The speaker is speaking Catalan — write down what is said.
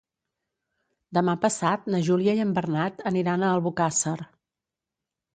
Demà passat na Júlia i en Bernat aniran a Albocàsser.